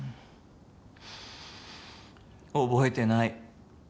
覚えてない。